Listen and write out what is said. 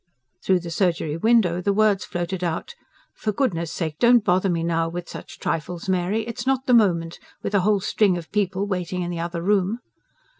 Through the surgery window the words floated out: "For goodness' sake, don't bother me now with such trifles, Mary! It's not the moment with a whole string of people waiting in the other room."